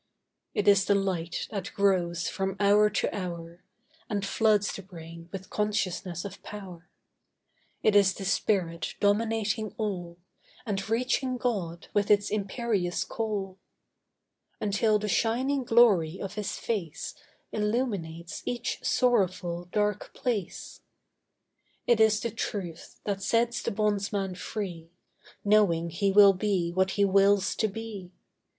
It is the light that grows from hour to hour, And floods the brain with consciousness of power; It is the spirit dominating all, And reaching God with its imperious call, Until the shining glory of His face Illuminates each sorrowful, dark place; It is the truth that sets the bondsman free, Knowing he will be what he wills to be.